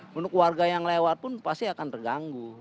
menurut warga yang lewat pun pasti akan terganggu